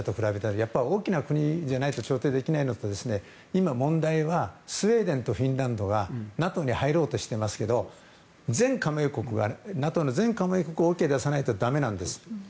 やっぱり大きな国じゃないと調停できないのと、今、問題はスウェーデンとフィンランドがＮＡＴＯに入ろうとしていますがＮＡＴＯの全加盟国がＯＫ出さないとダメなんです。